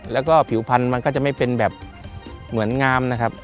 แล้วก็ผิวพันธุ์มันก็จะไม่เป็นแบบเหมือนงามนะครับ